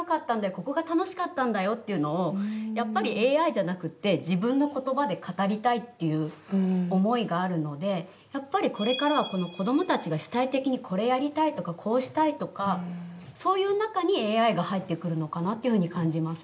ここが楽しかったんだよ」っていうのをやっぱりＡＩじゃなくって自分の言葉で語りたいっていう思いがあるのでやっぱりこれからはこの子どもたちが主体的にこれやりたいとかこうしたいとかそういう中にＡＩが入ってくるのかなというふうに感じます。